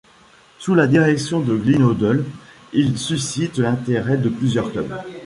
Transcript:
Sous la direction de Glenn Hoddle, il suscite l'intérêt de plusieurs clubs.